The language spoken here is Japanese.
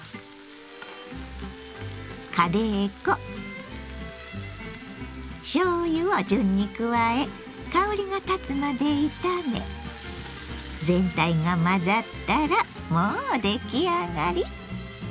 カレー粉しょうゆを順に加え香りがたつまで炒め全体が混ざったらもう出来上がり。